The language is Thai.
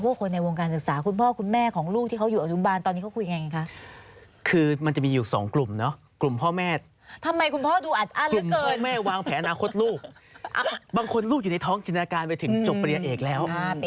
ว่าคนในวงการศึกษาคุณพ่อและคุณแม่